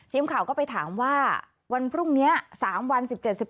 ทีมข่าวก็ไปถามว่าวันพรุ่งนี้๓วัน๑๗๑๘